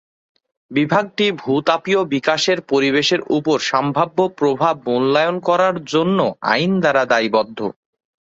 বিভাগটি ভূ-তাপীয় বিকাশের পরিবেশের উপর সম্ভাব্য প্রভাব মূল্যায়ন করার জন্য আইন দ্বারা দায়বদ্ধ।